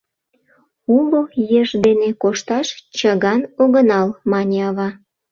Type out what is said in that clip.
— Уло еш дене кошташ чыган огынал, — мане ава.